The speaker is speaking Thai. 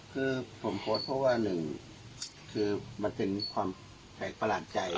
คือผมโพสต์เพราะว่าหนึ่งคือมันเป็นความแปลกประหลาดใจ